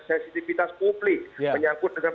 sensitivitas publik menyangkut dengan